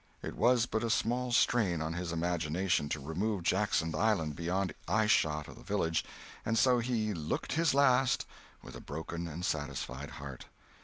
It was but a small strain on his imagination to remove Jackson's Island beyond eye shot of the village, and so he "looked his last" with a broken and satisfied heart.